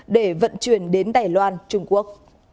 để vận chuyển đến đài loan trung quốc